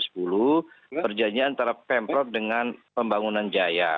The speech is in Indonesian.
perjanjian antara pemprov dengan pembangunan jaya